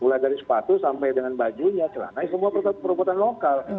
mulai dari sepatu sampai dengan bajunya celananya semua perbuatan lokal